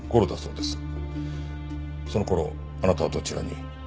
その頃あなたはどちらに？